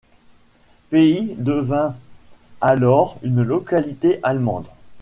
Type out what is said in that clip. Féy devint alors une localité allemande.